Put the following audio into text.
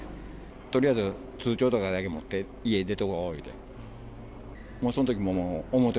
とりあえず通帳とかだけ持って家、出とうこうと思って。